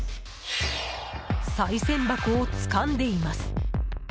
さい銭箱をつかんでいます。